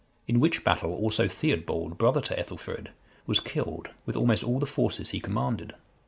(142) In which battle also Theodbald, brother to Ethelfrid, was killed, with almost all the forces he commanded.